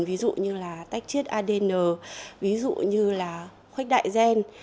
ví dụ như tách chiết adn ví dụ như khoách đại gen